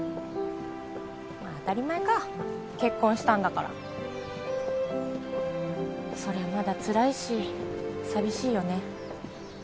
まあ当たり前か結婚したんだからそりゃまだつらいし寂しいよね